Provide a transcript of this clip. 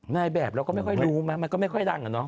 ในแบบเราก็ไม่ค่อยรู้มั้ยมันก็ไม่ค่อยดังอะเนาะ